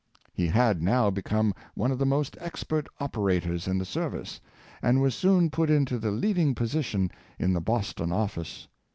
He had now become one of the most ex pert operators in the service, and was soon put into the leading position in the Boston office.